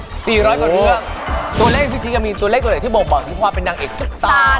๔๐๐กว่าเรื่องตัวเลขที่จริงจะมีตัวเลขที่บ่งบอกถึงความเป็นดังเอกสุดตา